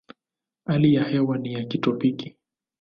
Hali ya hewa ni ya kitropiki.